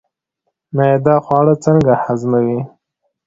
معده خواړه څنګه هضموي